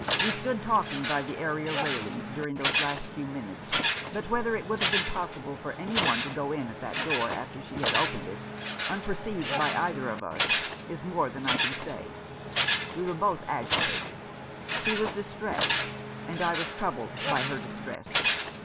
We stood talking by the area railings during those last few minutes, but whether it would have been possible for any one to go in at that door after she had opened it, unperceived by either of us, is more than I can say. We were both agitated. She was distressed, and I was troubled by her distress.